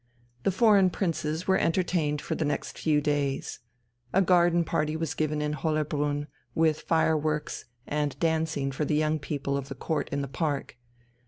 The foreign princes were entertained for the next few days. A garden party was given in Hollerbrunn, with fireworks and dancing for the young people of the Court in the park.